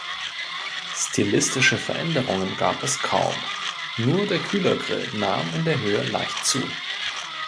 Stilistische Veränderungen gab es kaum, nur der Kühlergrill nahm in der Höhe leicht zu.